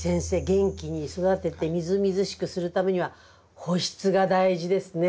元気に育ててみずみずしくするためには保湿が大事ですね。